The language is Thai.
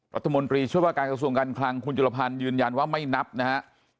รัฐมนตรีช่วยว่าการกระทรวงการคลังคุณจุลภัณฑ์ยืนยันว่าไม่นับนะฮะ